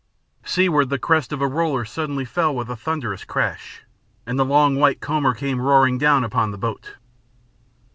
Seaward the crest of a roller suddenly fell with a thunderous crash, and the long white comber came roaring down upon the boat.